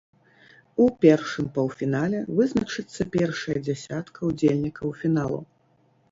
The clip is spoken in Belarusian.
У першым паўфінале вызначыцца першая дзясятка ўдзельнікаў фіналу.